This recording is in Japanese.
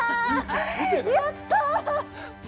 やったあ！